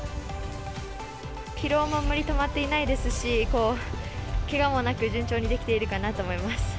疲労もあまりたまっていないですし、けがもなく、順調にできているかなと思います。